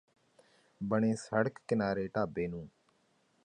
ਬਣੇ ਸੜਕ ਕਿਨਾਰੇ ਢਾਬੇ ਨੂੰ